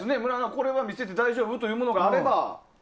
これは見せて大丈夫というものがあれば。